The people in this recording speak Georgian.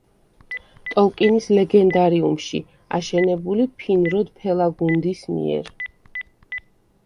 ტოლკინის ლეგენდარიუმში, აშენებული ფინროდ ფელაგუნდის მიერ.